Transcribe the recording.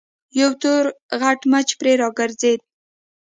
يو تور غټ مچ پرې راګرځېد.